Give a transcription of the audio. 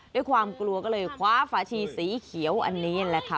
ด้วยความกลัวก็เลยคว้าฝาชีสีเขียวอันนี้แหละค่ะ